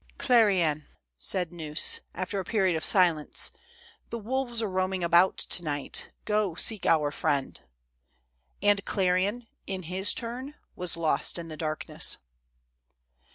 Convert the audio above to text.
Clerian," said Gneuss, after a period of silence, " the wolves are roaming about to night; go seek our friend." And Clerian, in his turn, was lost in the darkness.